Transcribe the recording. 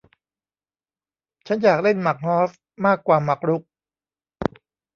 ฉันอยากเล่นหมากฮอสมากกว่าหมากรุก